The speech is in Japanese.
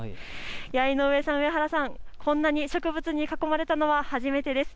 井上さん、上原さん、こんなに植物に囲まれたのは初めてです。